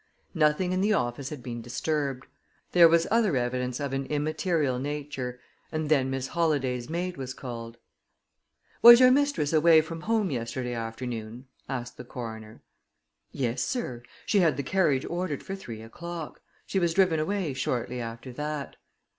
Nothing in the office had been disturbed. There was other evidence of an immaterial nature, and then Miss Holladay's maid was called. "Was your mistress away from home yesterday afternoon?" asked the coroner. "Yes, sir; she had the carriage ordered for three o'clock. She was driven away shortly after that."